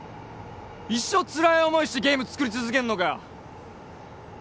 一生つらい思いしてゲーム作り続けんのかよ